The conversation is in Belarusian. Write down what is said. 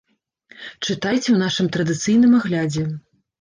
Чытайце ў нашым традыцыйным аглядзе.